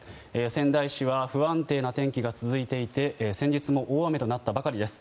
仙台市は不安定な天気が続いていて先日も大雨となったばかりです。